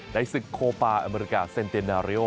ในศึกโคปาอเมริกาเซ็นเตนาเรียล